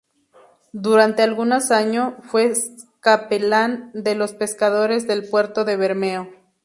Durante algunos año fue capellán de los pescadores del puerto de Bermeo.